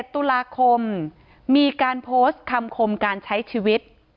๑ตุลาคมมีการโพสต์คำคมการใช้ชีวิต